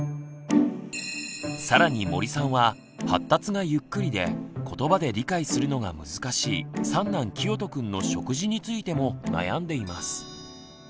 更に森さんは発達がゆっくりでことばで理解するのが難しい三男きよとくんの食事についても悩んでいます。